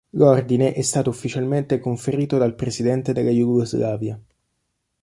L'ordine è stato ufficialmente conferito dal presidente della Jugoslavia.